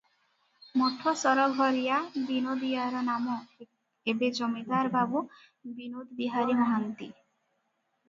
ମଠ ସରଘରିଆ ବିନୋଦିଆର ନାମ ଏବେ ଜମିଦାର ବାବୁ ବିନୋଦବିହାରି ମହାନ୍ତି ।